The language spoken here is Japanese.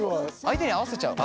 相手に合わせちゃう？